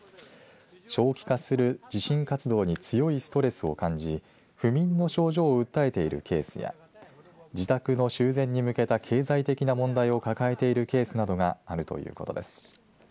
長期化する地震活動に強いストレスを感じ不眠の症状を訴えているケースや自宅の修繕に向けた経済的な問題を抱えているケースなどがあるということです。